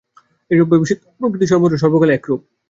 এইভাবে সিদ্ধান্ত করা হইল যে, প্রকৃতি সর্বত্র ও সর্বকালে একরূপ।